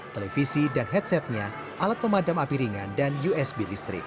televisi dan headsetnya alat pemadam api ringan dan usb listrik